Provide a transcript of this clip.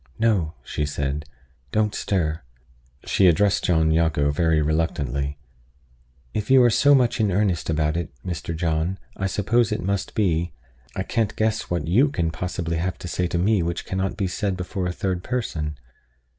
"No," she said. "Don't stir." She addressed John Jago very reluctantly: "If you are so much in earnest about it, Mr. John, I suppose it must be. I can't guess what you can possibly have to say to me which cannot be said before a third person.